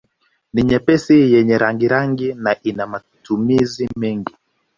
Ni nyepesi yenye rangirangi na ina matumizi mengi